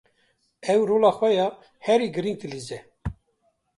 Ew rola xwe, ya herî girîng dilîze.